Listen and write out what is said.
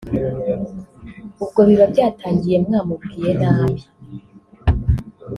ubwo biba byatangiye mwamubwiye nabi